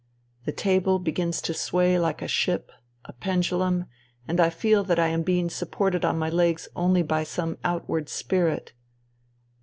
The table begins to sway like a ship — ^a pendulum — and I feel that I am being supported on my legs only by some outward spirit.